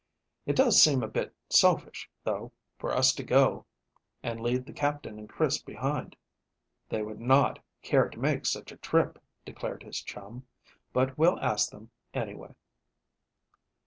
"It does seem a bit selfish, though, for us to go and leave the Captain and Chris behind." "They would not care to make such a trip," declared his chum, "but we'll ask them, anyway."